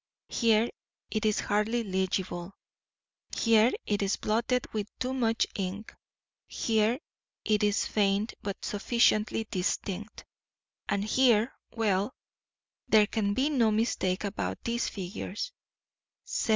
Here it is hardly legible, here it is blotted with too much ink, here it is faint but sufficiently distinct, and here well, there can be no mistake about these figures, 7753.